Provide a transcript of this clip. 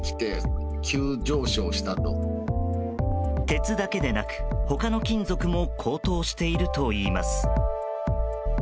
鉄だけでなく、他の金属も高騰しているといいます。